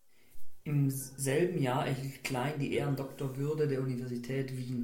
Im selben Jahr erhielt Klein die Ehrendoktorwürde der Universität Wien.